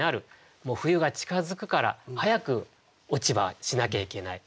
冬が近づくから早く落葉しなきゃいけない。